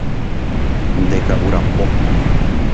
Ndeka'urapo